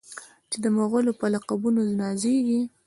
چې د مغلو په لقبونو نازیږي.